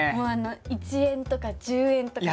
１円とか１０円とかさ。